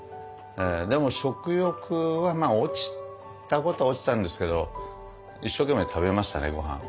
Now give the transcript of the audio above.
でも食欲は落ちたことは落ちたんですけど一生懸命食べましたねごはん。